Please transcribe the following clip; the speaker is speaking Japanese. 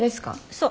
そう。